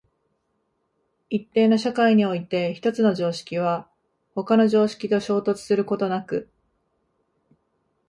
一定の社会において一つの常識は他の常識と衝突することなく、